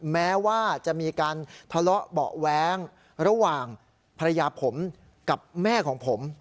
แม้ว่าจะมีการทะเลาะเบาะแว้งระหว่างภรรยาผมกับแม่ของผม